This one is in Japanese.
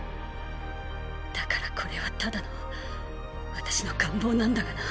だからこれはただの私の願望なんだがな。